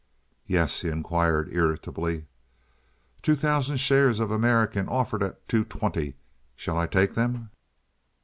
"Yes?" he inquired, irritably. "Two thousand shares of American offered at two twenty! Shall I take them?"